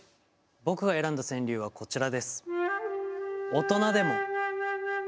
僕が選んだ川柳はこちらです。